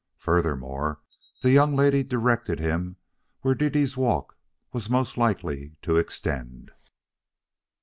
Furthermore, the young lady directed him where Dede's walk was most likely to extend.